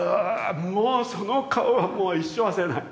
もうその顔はもう一生忘れない！